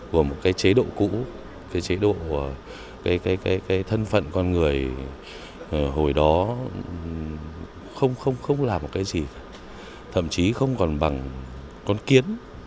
của một cái chế độ cũ cái chế độ của cái thân phận con người hồi đó không làm một cái gì thậm chí không còn bằng con kiến